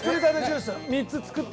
３つ作って。